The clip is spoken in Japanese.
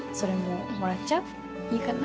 いいかな？